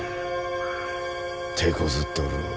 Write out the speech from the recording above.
てこずっておるのう。